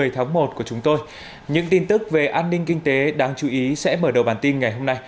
một mươi tháng một của chúng tôi những tin tức về an ninh kinh tế đáng chú ý sẽ mở đầu bản tin ngày hôm nay